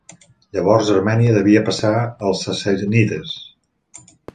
Llavors Armènia devia passar als sassànides.